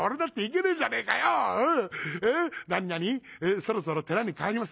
『そろそろ寺に帰ります』？